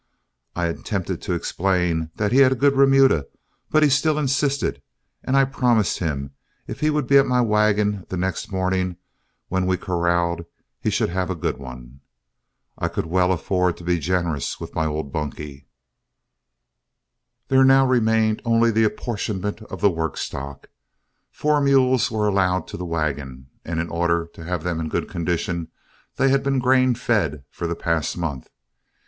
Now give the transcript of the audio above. I attempted to explain that he had a good remuda, but he still insisted, and I promised him if he would be at my wagon the next morning when we corralled, he should have a good one. I could well afford to be generous with my old bunkie. There now only remained the apportionment of the work stock. Four mules were allowed to the wagon, and in order to have them in good condition they had been grain fed for the past month.